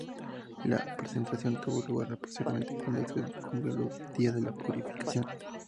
La presentación tuvo lugar posteriormente "cuando se cumplieron los días de la purificación".